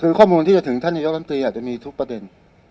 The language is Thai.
คือข้อมูลที่จะถึงท่านนายกรรมตรีอาจจะมีทุกประเด็น